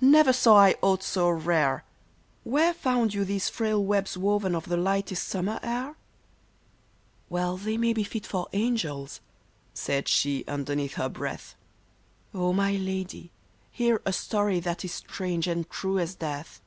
Never saw I aught so rare — Where found you these frail webs woven of the lightest sum mer air ?"" Well they may be fit for angels," said she, underneath her breath ;^' O my lady, hear a story that is strange and true as death."